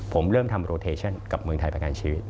ผมเริ่มทำโรเทชั่นกับเมืองไทยประกันชีวิต